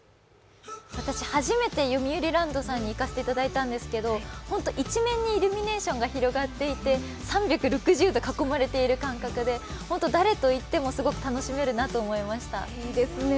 私、初めてよみうりランドさんに行かせていただいたんですけど一面にイルミネーションが広がっていて、３６０度囲まれている感覚でホント、誰と行っても楽しめると思いました。